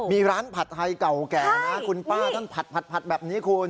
มีร้านผัดไทยเก่าแก่นะคุณป้าท่านผัดแบบนี้คุณ